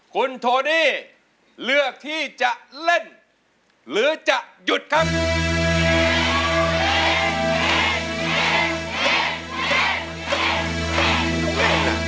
คุณโทนี่เลือกที่จะเล่นหรือจะหยุดครับ